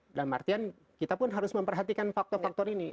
dalam artian kita pun harus memperhatikan faktor faktor ini